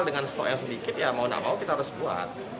dengan stok yang sedikit ya mau gak mau kita harus buat